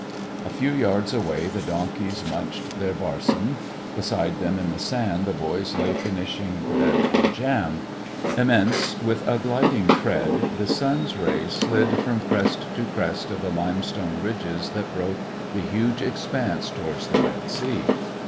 A few yards away the donkeys munched their barsim; beside them in the sand the boys lay finishing bread and jam. Immense, with gliding tread, the sun's rays slid from crest to crest of the limestone ridges that broke the huge expanse towards the Red Sea.